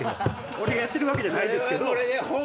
俺がやってるわけじゃないけど。